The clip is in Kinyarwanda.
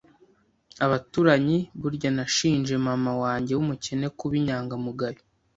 abaturanyi; burya nashinje mama wanjye w'umukene kuba inyangamugayo